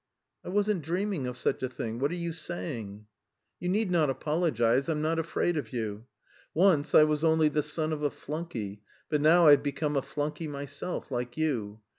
'" "I wasn't dreaming of such a thing.... What are you saying!" "You need not apologise. I'm not afraid of you. Once I was only the son of a flunkey, but now I've become a flunkey myself, like you.